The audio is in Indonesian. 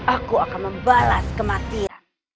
aku akan membalas kematian